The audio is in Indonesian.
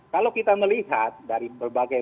kalau kita melihat dari berbagai